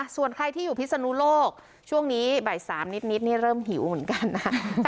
ส่วนใครที่อยู่พิศนุโลกช่วงนี้บ่าย๓นิดนี่เริ่มหิวเหมือนกันนะ